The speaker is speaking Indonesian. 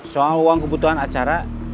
soal uang kebutuhan acara